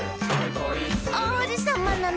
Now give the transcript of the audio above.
「おうじさまなの！」